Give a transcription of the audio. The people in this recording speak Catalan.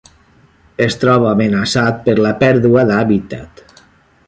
Es troba amenaçat per la pèrdua d'hàbitat.